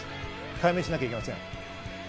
解明しなきゃいけません。